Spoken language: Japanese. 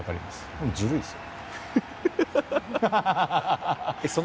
でもずるいですよ。